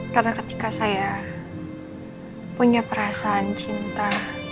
karena ketika saya punya perasaan cinta